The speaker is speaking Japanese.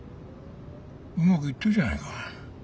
うまくいってるじゃないか。